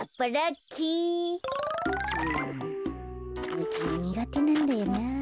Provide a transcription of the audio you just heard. うつのにがてなんだよな。